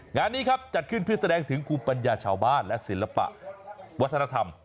งานนี้ครับจัดขึ้นเพื่อแสดงถึงภูมิปัญญาชาวบ้านและศิลปะวัฒนธรรม